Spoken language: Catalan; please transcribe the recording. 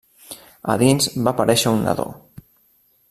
A dins va aparèixer un nadó.